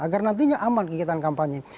agar nantinya aman kegiatan kampanye